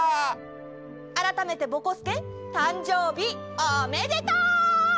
あらためてぼこすけたんじょうびおめでとう！